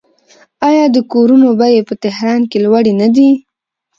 آیا د کورونو بیې په تهران کې لوړې نه دي؟